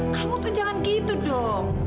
kamu tuh jangan gitu dong